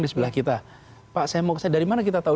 di sebelah kita pak saya mau ke dari mana kita tahu